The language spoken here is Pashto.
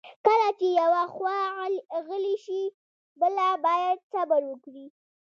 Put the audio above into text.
کله چې یوه خوا غلې شي، بله باید صبر وکړي.